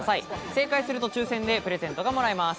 正解すると抽選でプレゼントがもらえます。